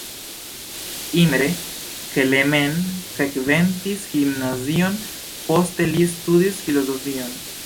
Imre Kelemen frekventis gimnazion, poste li studis filozofion.